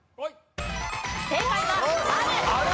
正解はある。